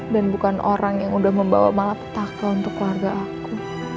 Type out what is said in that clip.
dan bukan orang yang udah membawa malapetaka untuk keluarga aku